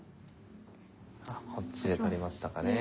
ああこっちで取りましたかね。